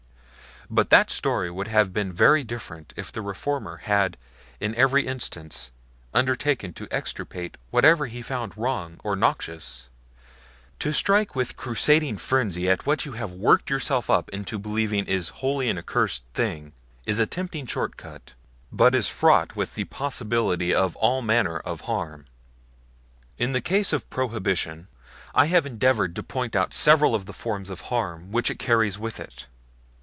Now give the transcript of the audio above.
But that story would have been very different if the reformer had in every instance undertaken to extirpate whatever he found wrong or noxious. To strike with crusading frenzy at what you have worked yourself up into believing is wholly an accursed thing is a tempting short cut, but is fraught with the possibility of all manner of harm. In the case of Prohibition, I have endeavored to point out several of the forms of harm which it carries with it.